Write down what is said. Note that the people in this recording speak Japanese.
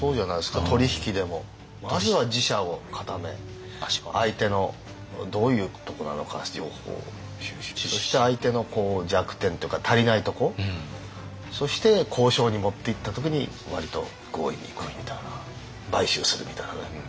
まずは自社を固め相手のどういうとこなのか情報を収集しそして相手の弱点というか足りないとこそして交渉に持っていった時に割と強引にいくみたいな買収するみたいなね。